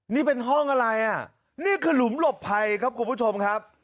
นี่เป็นห้องอะไรอ่ะนี่คือหลุมหลบภัยครับคุณผู้ชมครับ